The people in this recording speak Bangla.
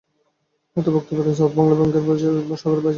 এতে বক্তব্য দেন সাউথ বাংলা ব্যাংকের সহকারী ভাইস প্রেসিডেন্ট ইসলামুল হক।